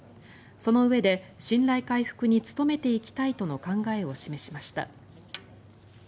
そのうえで信頼回復に努めていきたいとの考えを示しました。